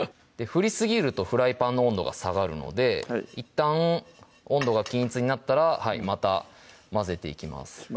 振りすぎるとフライパンの温度が下がるのでいったん温度が均一になったらまた混ぜていきます